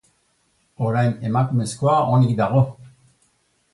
Orain emakumezkoa onik dago.